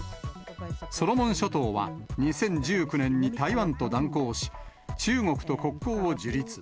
ソロモン諸島は、２０１９年に台湾と断交し、中国と国交を樹立。